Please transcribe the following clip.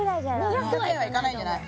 ２００円はいかないんじゃない？